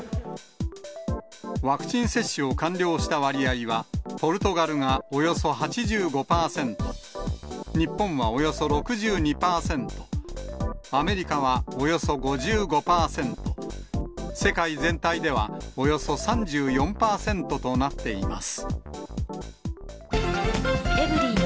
ワクチン接種を完了した割合は、ポルトガルがおよそ８５％、日本はおよそ６２％、アメリカはおよそ５５％、世界全体ではおよそ３４％となっています。